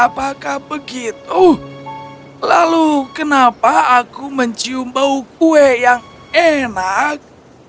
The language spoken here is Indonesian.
apakah begitu lalu kenapa aku mencium bau kue yang enak